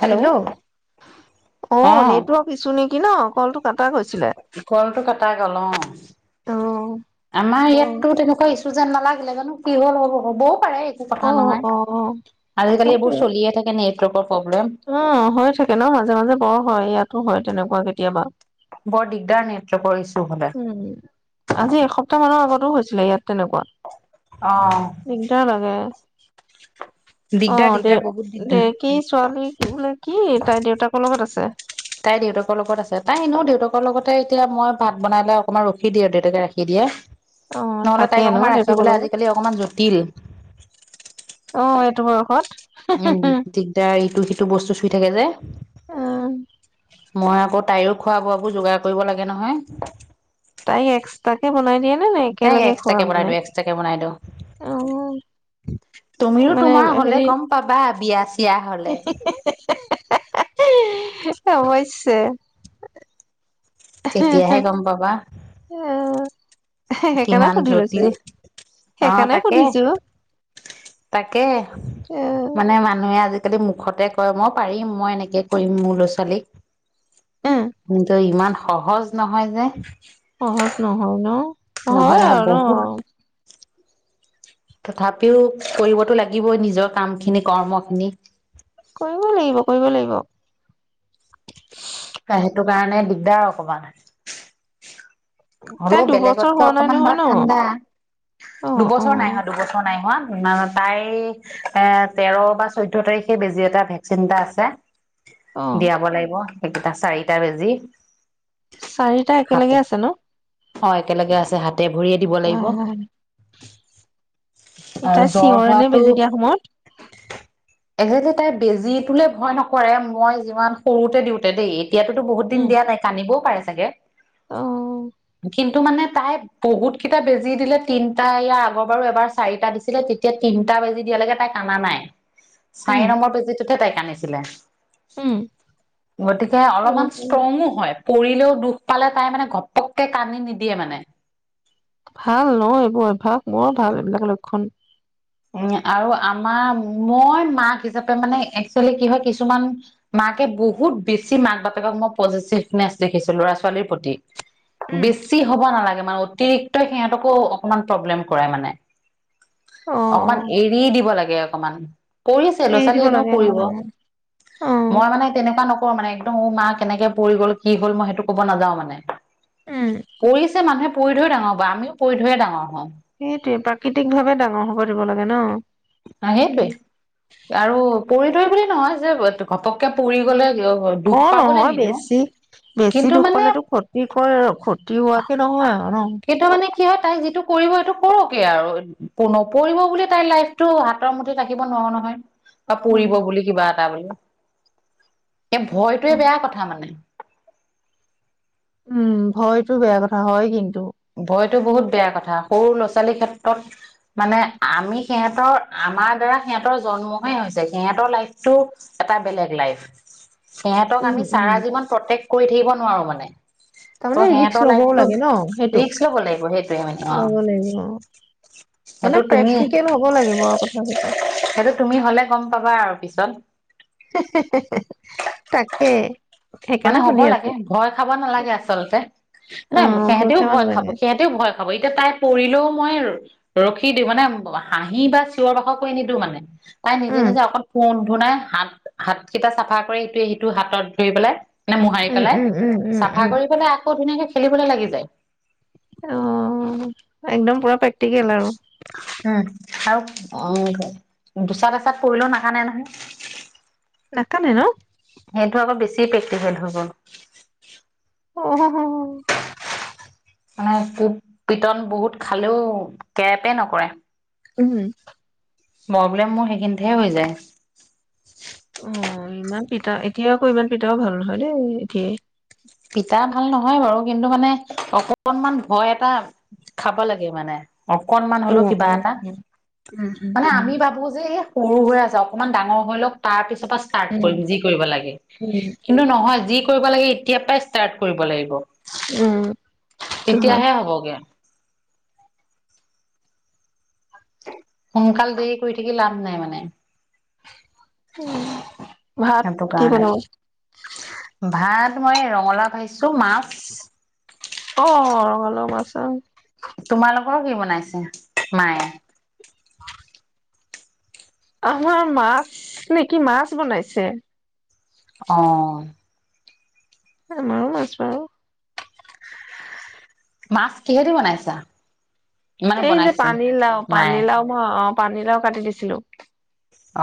Hello hello অ অঁ network ইচু নে কি ন কলটো কাটা গৈছিলে। কলটো কাটা গল অঁ, অ' আমাৰ ইয়াতটো তেনেকৈ ইচ যেন নালাগিলে জানো কি হল হ'ব হ'ব। পাৰে একো কথা অ' নহয়, অ' আজিকালি এইবোৰ সেইটোৱে। চলিয়ে থাকে নেট ক [unintelligible] অ হয় থাকে ন মাজে মাজে বৰ হয় ইয়াতো হয়। তেনেকুৱা কেতিয়াবা। বৰ দিগদাৰ নেটৱৰ্কৰ ইছ্যু হ'লে উম আজি এসপ্তাহ মানৰ আগত টো হৈছিলে ইয়াত তেনেকুৱা। দিগদাৰ লাগে। অ দিগদাৰ দে দিগদাৰ বহুত দিগদাৰ দে কি ছোৱালী বোলে কি তাই দেউতাকৰ লগত আছে। তাই দেউতাকৰ লগত আছে, তাই এনেও দেউতাকক লগতে এতিয়া মই ভাত বনালে অকণমান ৰখি দিয়ে, দেউতাকে ৰাখি দিয়ে। অ' নহ'লে থাকে তাইক ন অকণমান দেউতাকৰ ৰাখিবলে লগত আজিকালি অকণমান জটিল। কত উম দিগদাৰ ইটো-সিটো বস্তু চুই থাকে যে, মই আকৌ তাইৰো খোৱা-বোৱাবোৰ যোগাৰ কৰিব লাগে নহয়। তাই এক্সট্ৰাকে বনাই দিয়ে। নে নে তাইক একেলগে খোৱা এক্সট্ৰাকে বনাই মানে? দিওঁ, এক্সট্ৰাকে বনাই দিওঁ। অ' তুমিয়ো মানে তোমাৰ হ'লে হেৰি গম পাবা বিয়া বিয়া হ'লে। অৱশ্যে তেতিয়াহে গম পাবা। অ' সেইকাৰণে কিমান সুধি লৈছো জটিল? অহ সেইকাৰণে তাকে, সুধিছো তাকে। এ মানে মানুহে আজি খালি মুখতে কয় মই পাৰিম মই এনেকে কৰিম মোৰ ল'ৰা-ছোৱালীক উম কিন্তু ইমান সহজ নহয় যে সহজ নহয় ন নহয় হয় নহয় আৰু বহুত ন তথাপিও কৰিবতো লাগিবই নিজৰ কাম খিনি কৰ্ম খিনি। কৰিব লাগিব কৰিব লাগিব। [inaudible] সেইটো কাৰণে দিগদাৰ অকণমান। তাই হ'লেও দুবছৰ বেলেগতকৈ হোৱা নাই আকণমান নহয় বাৰু ন ঠাণ্ডা। অ অ দুবছৰ নাই হোৱা দুবছৰ নাই হোৱা। তাই এ তেৰ বা চৈধ্য তাৰিখে বেজি এটা ভেকচিন এটা আছে। অ দিয়াব লাগিব। এই কেইটা চাৰিটা বেজি। চাৰিটা হাতে একেলগে আছে ন? অ একেলগে আছে হাত আহ--এ আৰু তাই জ্বৰ চিঞৰে নে হোৱাটো বেজি দিয়া সময়ত? একজেক্টলি তাই বেজী টোলে ভয় নকৰে মই যিমান সৰুতে দিওঁতে দেই ইয়াতো টো বহুত উম দিয়া নাই কান্দিবও পাৰে। চাগে অ কিন্তু মানে তাই বহুত কেইটা বেজি দিলে তিনিটা ইয়াৰ আগৰ বাৰো এবাৰ চাৰিটা দিছিলে তেতিয়া তিনিটা বেজি দিয়ালৈকে তাই কন্দা নাই চাৰি উম নম্বৰ বেজিটোহে তাই আহিছিলে। উম গতিকে অলপমান ষ্ট্ৰংো হয় পৰিলেও দুখ পালে তাই মানে ঘপ তে কানি নিদিয়ে মানে ভাল ন এইবোৰ অভ্য়াস মোৰো ভাল এইবিলাক লক্ষণ উ আৰু আমাৰ মই মাক হিচাপে মানে একচুৱেলি কি হয় কিছুমান মাকে বহুত বেছি মাক বাপেকক মই পজিটিভনেচ দেখিছো ল'ৰা ছোৱালীৰ প্ৰতি উম বেছি হ'ব নালাগে মানে অতিৰিক্ত সিহঁতকো অকমান প্ৰব্লেম কৰে মানে অ অকমান এৰি দিব লাগে অকমান কৰিছে ল'ৰা এৰি ছোৱালী দিব এনেও লাগে পৰিব অ মই মানে তেনেকুৱা নক মানে একদম ম মা কেনেকে পৰি গ'ল কি গ'ল মই সেইটো ক'ব নাযাও মানে উম পৰিছে মানুহে পৰি ধৰিয়ে ডাঙৰ হব বা আমিও পৰি ধৰিয়ে ডাঙৰ হওঁ সেইটোৱে প্ৰাকৃতিক ভাৱে ডাঙৰ হ'ব কৰিব লাগে ন আ উম, সেইটোৱে আৰু পৰিটো বুলি নহয় যে ঘপককে পৰি গলে দুখ অ পাবলৈ নহয় নিদিওঁ বেছি বেছি কিন্তু দুখ মানে পালেতো ক্ষতি কৰে তিওুৱাকে নহয় [unintelligible] অ। কিন্তু মানে কি হয় তাই যিটো কৰিব সেইটো কৰকে আৰু পৰিব বুলি তাইৰ লাইফটো হাতৰ মুঠি থাকিব নোৱাৰো নহয়। বা পৰিব বুলি কিবা এ তাবলো [unintelligible] এ ভয়টোৱে বেয়া কথা মানে। উম ভয়তো বেয়া কথা হয় কিন্তু। ভয়তো বহুত বেয়া কথা সৰু ল'ৰা ছোৱালীৰ ক্ষেত্ৰত মানে আমি সিহঁতৰ আমাৰ দ্বাৰা সিহঁতৰ জন্মহে হৈছে সিহঁতৰ লাইফটো এটা বেলেগ লাইফ সিহঁতক উম আমি উম চাৰা জিৱন প্ৰত্যেক কৰি থাকিব নোৱাৰো মানে ত' তামানে সিহঁতৰ ৰিক্স লবও লাইফটো লাগে ন সেইটো। ৰিক্স ল'ব লাগিব সেইটোয়ে মানে অ ল'ব লাগিব অ মানে সেইটো তুমি প্ৰেক্টিকেল হ'ব লাগিব আৰু কথাটো সেইটো তুমি হ'লে গম পাবা আৰু পিছ জান তাকে। মানে সেইকাৰণে হ'ব সুধি আছো লাগে ভয় খাব নালাগে আচলতে ন অ সিহতেও পৰীক্ষা মান ভয় খাব লাগে সিহঁতেও ভয় খাব এতিয়া তাই পৰিলেও মই ৰখি দিবানে হাঁহি বা চিঞৰ বাখৰ কৰি নিদিওঁ মানে তাই নিজে উম নিজে অকল ফোন। ধু নাই হাত হাত কেইটা চাফা কৰি ইটোৱে সেইটোৰ হাতত ধৰি পেলাই। এনে মোহাৰি উম পেলাই, উম উম উম চাফা উম কৰি পেলাই আকৌ ধুনীয়াকে খেলিবলে লাগি যায়। অঁ একদম পুৰা পেক তিকেল আৰু উম আৰু অঁ দুচাত এচাত পৰিলেও নাকান্দে নহয়। নাকান্দে ন! কি প্ৰেক্টিকেল হ'ব অঁ হ হ হ মানে পোক পিটন বহুত খাঁলেও কেৰেপে নকৰে। উমহু মই বোলে মোৰ সেইখিনিতহে হৈ যায়। ওম ইমান পিতা, এতিয়া আকৌ ইমান পিতাও ভাল নহয় দেই এতিয়াই। পিঠা ভাল নহয় বাৰু কিন্তু মানে অকনমান ভয় এটা খাব লাগে মানে। অকনমান হলেও উম, কিবা উম, এটা উম। উম, উম, মানে উম। আমি ভাবো যে এই সৰু হৈ আছে অকনমান ডাঙৰ মই অলপ তাৰপিছ ফটো ষ্টাৰ্টত উম, কৰিম যি কৰিব লাগে উম। কিন্তু নহয় যি কৰিব লাগে এতিয়া পৰাই ষ্টাৰ্ট কৰিব লাগিব। উম, সেইটো হয়। তেতিয়াহে হ'বগে। সোনকাল দেৰি কৰি থাকি লাভ নাই মানে। উম। সিটো কাৰণে, ভাত মই ৰঙালাও পাইছোঁ মাছ অ', অলপ আহাচোন। তোমালোকৰ কি বনাইছে মায়ে? [unintelligible] আমাৰ মাছ নেকি মাছ বনাইছে? অ'। আম মাছ ভও [inaudible] মাছ কিহেদি বনাইছা? মানে এই যে বনাইছে পানী লাও, মায়ে পানী লাও মই অ' পানীলাও কাটি দিছিলো।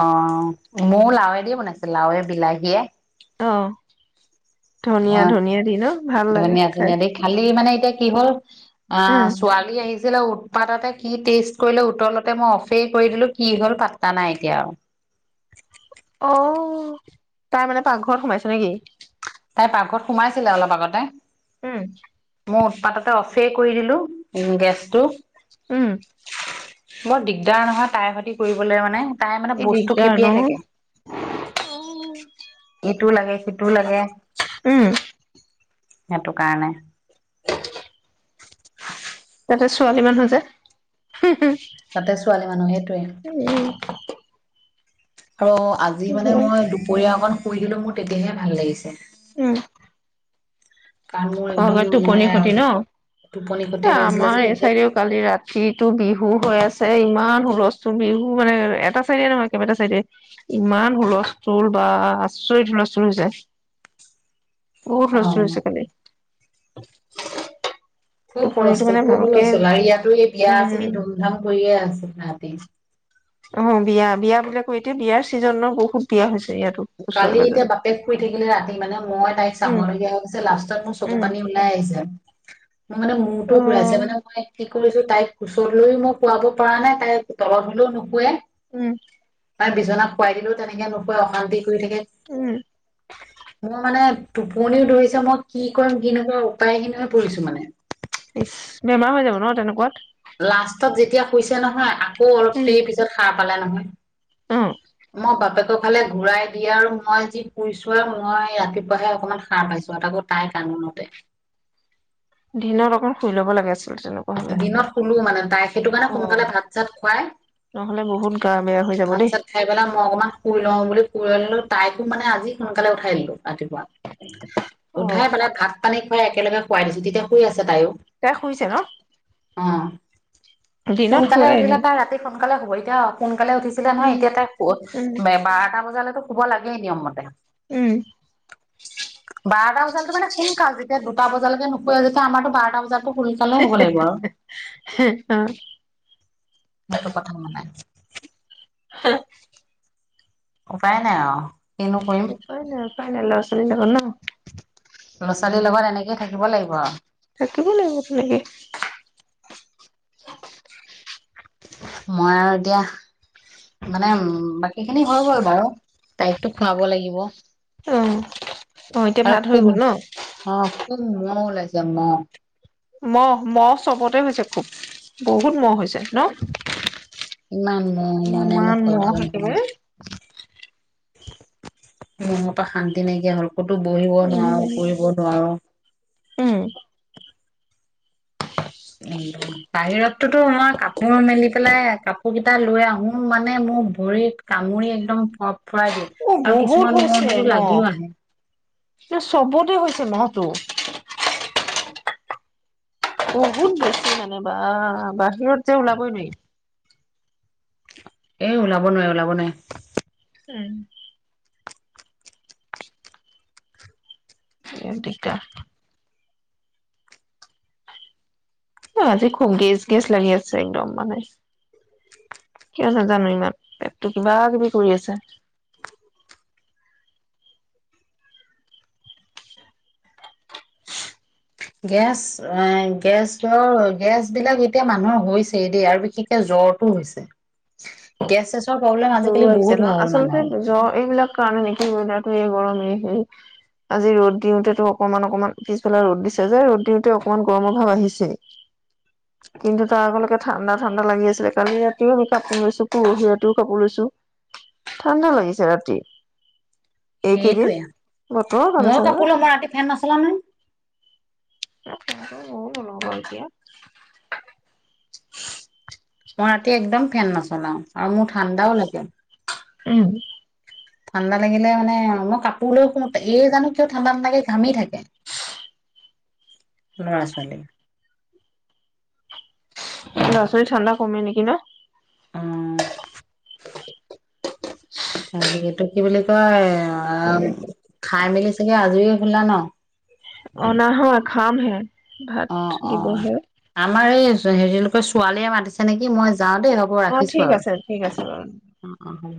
অ', ময় লাওৱেদি বনাইছে লাৱে বিলাহীয়ে। অ'। অ ধনিয়া ধনিয়া দি ন' ভাল লাগে ধনিয়া খাই। চনিয়া দি খালি মানে এতিয়া কি হ'ল? উম, অ', ছোৱালী আহিছিলে বহুত পাতাতে কি টেষ্ট কৰিলে উতলতে মই অফেই কৰি দিলো কি হ'ল পাত্তা নাই এতিয়াও। অ', তাই মানে পাকঘৰত সোমাইছে নেকি? তাইৰ পাকঘৰত সোমাইছিলে অলপ আগতে। উম। মোৰ উৎপাততে অফেই কৰি দিলো গেছটো। উম। বৰ দিগদাৰ নহয় তাইৰ সৈতে কৰিবলৈ মানে, তাই মানে এই বস্তু দিগদাৰ খেপিয়ে ন'? থাকে। এইটোও লাগে সেইটো লাগে উম। সেইটো কাৰণে। [inaudible] তাতে ছোৱালী মানুহ যে, হম হম তাতে ছোৱালী মানুহ সেইটোৱে। উম। আৰু আজি মানে হয় মই দুপৰীয়া অকণ পঢ়িলেও মোৰ তেতিয়াহে ভাল লাগিছে। উম। কাৰণ মোৰ অ একদম মানে টোপনি খতি ন, টোপনি ক্ষতি এ হৈ আছিলে আমাৰ যে এই এতিয়া চাইেও কালি ৰাতিটো বিহু হৈ আছে। ইমান হুলস্থুল বিহু মানে এটা চাইডে নহয় কেইবাটা চাইডে ইমান হুলস্থুল বা আচৰিত হুলস্থুল হৈছে। বহুত হুলস্থুল হৈছে অ'। কালি। খুব টোপনিটো হুলস্থুল, মানে খুব ভালকে হুলস্থুল, আৰু ইয়াতো এই বিয়া আছে। উম ধুমধাম কৰিয়ে আছে তাহাতি। অ' বিয়া, বিয়া বিলাকো এতিয়া, বিয়াৰ চিজন ন বহুত বিয়া হৈছে। ইয়াতো ওচৰে কালি পাজৰে এতিয়া বাপেক শুই থাকিলে। ৰাতি মানে মই তাইক চাব উম লগীয়া হৈছে। লাষ্টত মোৰ চকু উম পানী ওলাই আহিছে। মই মানে অ মূতো ঘূৰাইছে মানে মই কছো, তাইক কোচত লৈ মই শুৱাব পৰা নাই, তাই তলত হলেও নুশুৱে। উম। তাই বিচনাত শুৱাই দিলোও তেনেকে নোশোৱে, অশান্তি। [unintelligible] উম টোপনিও ধৰিছে। মই কি কৰিম কি নকৰিম উপায়হীন হৈ পৰিছো মানে। ইচ! বেমাৰ হৈ যাব ন তেনেকুৱাত? লাষ্টত যেতিয়া শুইছে নহয় আক শু অলপ উম দেৰি পিছত সাৰ পালে নহয়। অ মই বাপেক ত ফালে ঘূৰাই দিয়ে আৰু মই যি শুইছো আৰু মই ৰাতিপুৱাহে অকমান সাৰ পাইছো আও তাকো তাই কান্দোনতে। দিনত অকণ শুই ল'ব লাগা আছিল। দিনত শুলো। মানে তাই সেইটো কাৰণে অ সোনকালে ভাত চাত খুৱাই নহ'লে বহুত গা বেয়া হৈ যাব ভাত দেই। চাত খাই পেলাই মই অকণমান শুই লওঁ বুলি কুৰাই দিলোঁ, তাইকো মানে আজি সোনকালে উঠাই দিলো ৰাতিপুৱা। অ', উঠাই পেলাই ভাত পানী হয় একেলগে শুৱাই দিছো তেতিয়া শুই আছে তাইও। তাই শুইছে ন? অঁ। দিনত সোনকালে শুৱাই উঠিলে এনেই। তাই ৰাতি সোনকালে শুবই। কিয় কোন সোনকালে উঠিছিলে নহয় উম, এতিয়া তাই শু উম, এ বাৰটা বজালেকে শুব লাগেই নিয়ম মতে। উম, বাৰটা বজালেটো মানে সোনকাল যেতিয়া দু টা বজালেকে নুশুৱে যেতিয়া আমাৰটো বাৰটা বজাত সোনকালেই শুব লাগিব। অ সেইটো কথা মানে। হা। উপায় নাই আৰু। কিনো কৰিম। ফাইনেল [unintelligible] ল'ৰা ছোৱালীৰ লগত এনেকে। থাকিব লাগিব তেনেকে। [inaudible] মই আৰু এতিয়া মানে উম, বাকী খিনি হৈ গ'ল বাৰু তাইকতো খুৱাব লাগিব। অ, ' এতিয়া ভাত হৈ গ'ল ন'। শুব মহ ওলাইছে মহ। ম'হ ম'হ চবতে হৈছে খুব বহুত ম'হ হৈছে ন'? ইমান ম'হ মানে ইমান মোৰ [unintelligible] মহ একেবাৰে। ম'হৰ পৰা শান্তি নাইকিয়া হ'ল। ক'তো বহিব নোৱাৰো, উম, ফুৰিব নোৱাৰো। উম। উ পাহিৰ তো মই কাপোৰ মেলি পেলাই কাপোৰকেইটা লৈ আহোঁ মানে মোৰ ভৰিত কামুৰি একদম ফৰফৰাই দিয়ে। অ', আৰু বহুত কিছুমান হৈছে মূৰতোতো ন' লাগিও আহে চবতে হৈছে ন'। দো বহুত বেছি মানে বাহ, বাহিৰত যে ওলাবই নোৱাৰি। এ, ওলাব নোৱাৰি, ওলাব নোৱাৰি। উম। সে দিটা আজি খুব গেছ, গেছ লাগি আছে একদম মানে। [unintelligible] পেটটো কিবা কিবি কৰি আছে। গেছ এ, গেছৰ গেছ বিলাক এতিয়া মানুহৰ হৈছেই দেই আৰু বিশেষকে জ্বৰটো হৈছে, গেছ চেচ জ্বৰো আহিছে ন' আচলতে জ্ব এইবিলাক তাৰামানে কি আৰু এই গৰমেই হে আজি ৰ'দ দিওঁতেতো অকমান অকমান পিছফালে ৰ'দ দিছে যে ৰ'দ দিওঁতে অকনমান অকনমান গৰমৰ ভাৱ আহিছে কিন্তু তাৰ আগলৈকে ঠাণ্ডা ঠাণ্ডা লাগি আছিলে কালি ৰাতিও কাপোৰ লৈছোঁ পৰহি কাপোৰ লৈছো ঠাণ্ডা লাগিছে ৰাতি। এইকেইদিন সেইটোৱে বতৰৰ কাৰণে মই চাগে কাপোৰ লওঁ মই ৰাতি ফেন নচলাও নহয়। অ', এতিয়া মই ৰাতি একদম ফেন নচলাও আৰু মোৰ ঠাণ্ডাও লাগে। উম। ঠাণ্ডা লাগিলে মানে মই কাপোৰ লৈ শু এইৰ জানো কিয় ঠাণ্ডা নালাগে ঘামি থাকে। ল'ৰা ছোৱালী। ল'ৰা ছোৱালী ঠাণ্ডা কমে নেকি ন'। উম। [inaudible] তাক এইটো কি বুলি কয় অ', খাই মেলি চাগে আজৰি শুলা ন? অ নহয় খাম হে। ভাত অ অ দিবহে। আমাৰ এই হেৰি লোকৰ ছোৱালীয়ে মাতিছে নেকি মই যাওঁ দেই হ'ব অ ৰাখিছো ঠিক আৰু আছে ঠিক আছে বাৰু অ অ হ'ব।